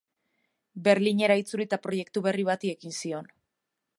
Berlinera itzuli eta proiektu berri bati ekin zion.